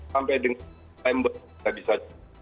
sampai dengan timbre kita bisa